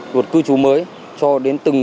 luật cư trú mới cho đến từng